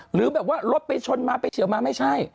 หรือแบบว่ารถไปชนมาไปเฉียวมาไม่ใช่